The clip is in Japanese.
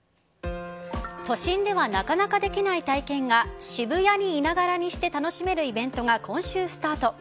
都心ではなかなかできない体験が渋谷にいながらにして楽しめるイベントが今週スタート。